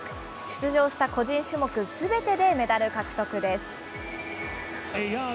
出場した個人種目すべてでメダル獲得です。